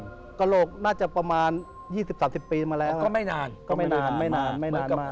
กระโหลกน่าจะประมาณยี่สิบสามสิบปีมาแล้วอ่ะก็ไม่นานก็ไม่นานไม่นานไม่นานมา